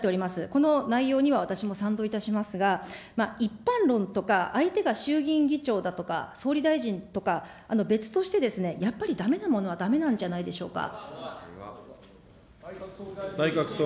この内容には、私も賛同いたしますが、一般論とか、相手が衆議院議長だとか、総理大臣とか、別として、やっぱりだめなものはだめなんじゃないでしょうか。